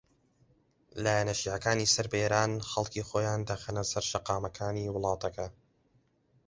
لایەنە شیعەکانی سەر بە ئێران خەڵکی خۆیان دەخەنە سەر شەقامەکانی وڵاتەکە